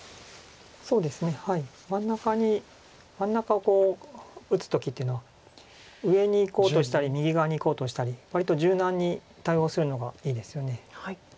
そうですね真ん中を打つ時っていうのは上にいこうとしたり右側にいこうとしたり割と柔軟に対応するのがいいですよね。